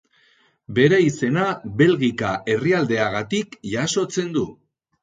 Bere izena Belgika herrialdeagatik jasotzen du.